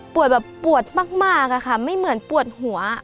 แบบปวดมากอะค่ะไม่เหมือนปวดหัว